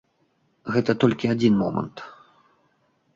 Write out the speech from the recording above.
Гэта толькі адзін момант.